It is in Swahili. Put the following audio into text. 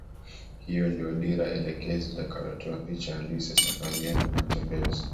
Hii ndio dira elekezi itakayotoa picha halisi ya safari yenu ya matembezi